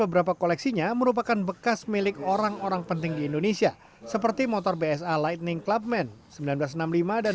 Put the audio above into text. bekas milik orang orang penting di indonesia seperti motor bsa lightning clubman seribu sembilan ratus enam puluh lima dan